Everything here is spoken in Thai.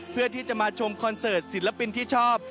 เพื่อที่จะมาชมคอนเสิร์ตศิลปินที่ชอบ